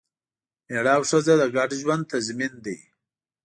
مېړه او ښځه د ګډ ژوند تضمین دی.